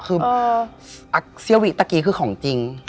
คือเสื้อวิตะกี้คือของจริง